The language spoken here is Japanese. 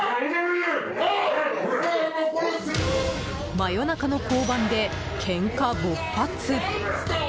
真夜中の交番で、けんか勃発。